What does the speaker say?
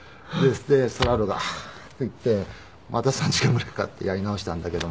でストラーロが「ああー」って言ってまた３時間ぐらいかかってやり直したんだけども。